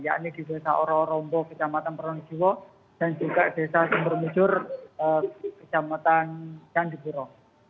yakni di desa ororombo kecamatan peronjiwo dan juga desa sumber mujur kecamatan candipuro